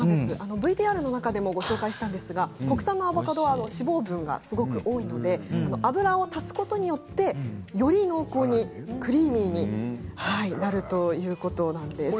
ＶＴＲの中でも紹介しましたが国産のアボカドは脂肪分が多いので油を足すことによってより濃厚にクリーミーになるということなんです。